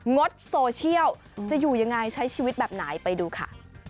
งดโซเชียลจะอยู่ยังไงใช้ชีวิตแบบไหนไปดูค่ะ